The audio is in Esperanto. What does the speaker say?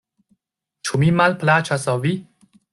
Ĉu mi malplaĉas al vi?